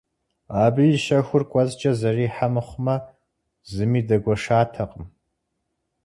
Абы и щэхур кӀуэцӀкӀэ зэрихьэ мыхъумэ, зыми дэгуэшатэкъым.